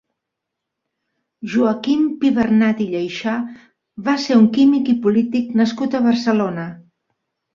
Joaquim Pibernat i Lleyxà va ser un químic i polític nascut a Barcelona.